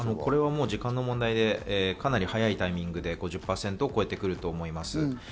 これはもう時間の問題で、かなり早いタイミングで５０％を超えてくると思います。